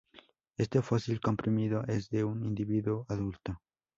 Este fósil comprimido es de un individuo adulto.